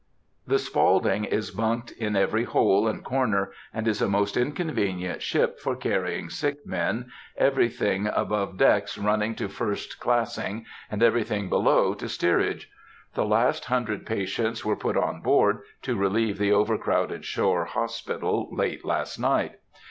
The Spaulding is bunked in every hole and corner, and is a most inconvenient ship for carrying sick men, everything above decks running to first classing, and everything below to steerage. The last hundred patients were put on board, to relieve the over crowded shore hospital, late last night.